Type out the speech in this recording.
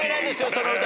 その歌。